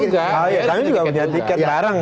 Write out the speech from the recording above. oh iya kami juga punya tiket bareng